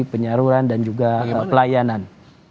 penyaluran dan juga pelayanan